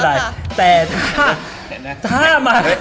แต่ถ้าถ้ามา